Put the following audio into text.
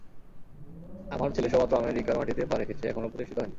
আমার ছেলে সবেমাত্র আমেরিকার মাটিতে পা রেখেছে, এখনো প্রতিষ্ঠিত হয়নি।